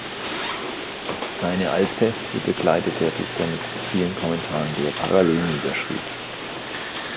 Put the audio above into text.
Seine "Alceste" begleitet der Dichter mit vielen Kommentaren, die er parallel niederschrieb.